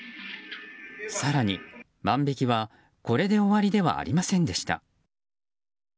更に万引きは、これで終わりではありませんでした。